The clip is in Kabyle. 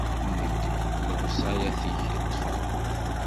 Nekk, di lewṣayat-ik i ṭṭfeɣ.